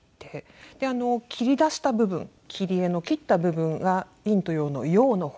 切り出した部分切り絵の切った部分が陰と陽の陽の方。